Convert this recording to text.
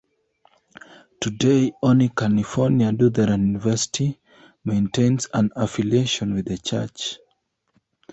Today, only California Lutheran University maintains an affiliation with a church.